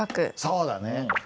そうだね。